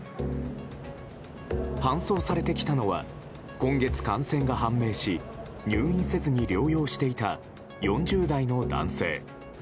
搬送されてきたのは今月、感染が判明し入院せずに療養していた４０代の男性。